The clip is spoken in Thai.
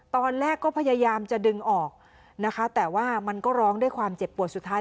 ตอนแรกก็พยายามจะดึงออกนะคะแต่ว่ามันก็ร้องด้วยความเจ็บปวดสุดท้าย